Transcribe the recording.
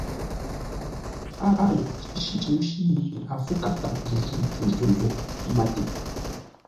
Â wo! Shíshí pǔshí yi a fǔ kap jǔ tû shû zô máté.